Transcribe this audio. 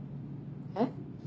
えっ？